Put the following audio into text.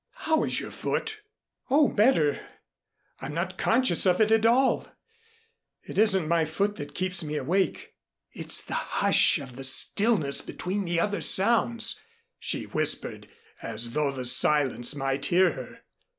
"How is your foot?" "Oh, better. I'm not conscious of it at all. It isn't my foot that keeps me awake. It's the hush of the stillnesses between the other sounds," she whispered, as though the silence might hear her.